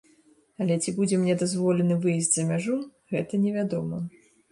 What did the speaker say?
Але ці будзе мне дазволены выезд за мяжу, гэта не вядома.